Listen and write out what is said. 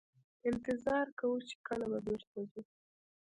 انتظار کوو چې کله به بیرته ځو.